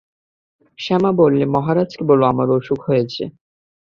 শ্যামা বললে, মহারাজকে বলো আমার অসুখ করেছে।